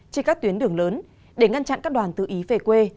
trên các tuyến đường lớn để ngăn chặn các đoàn tự ý về quê